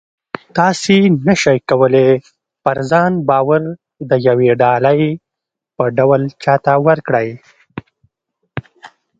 تاسې نه شئ کولی پر ځان باور د یوې ډالۍ په ډول چاته ورکړئ